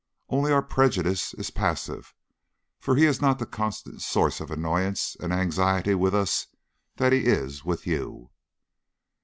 Only our prejudice is passive, for he is not the constant source of annoyance and anxiety with us that he is with you."